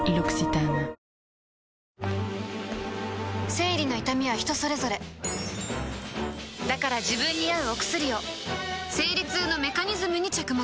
生理の痛みは人それぞれだから自分に合うお薬を生理痛のメカニズムに着目